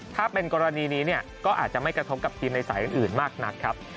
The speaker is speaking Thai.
ถ้าเป็นกรณีนี้เนี่ยก็อาจจะไม่กระทบกับทีมในสายอื่นมากนักครับ